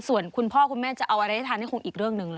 ส่วนคุณพ่อคุณแม่จะเอาอะไรได้ทานนี่คงอีกเรื่องหนึ่งเลย